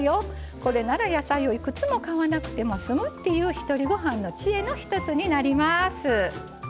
これなら野菜をいくつも買わなくても済むっていうひとりごはんの知恵の一つになります。